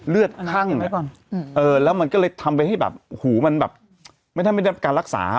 เลือดห้ั่งเออแล้วมันก็เลยทำไปให้แบบหูมันแบบไม่ทำให้ได้การรักษา